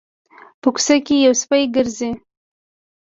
په کوڅه کې یو سپی ګرځي